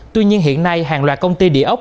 tuy nhiên hiện nay hàng loạt công ty địa ốc